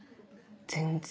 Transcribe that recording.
全然。